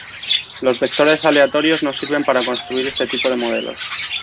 Los vectores aleatorios nos sirven para construir este tipo de modelos.